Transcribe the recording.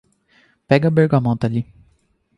Pega a bergamota ali